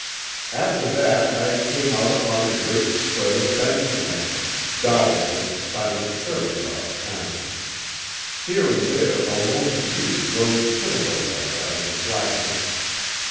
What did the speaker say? After that I came out upon a great spread of bench land, dotted with silent prairie dog towns. Here and there a lone butte rose pinnacle like out of the flatness.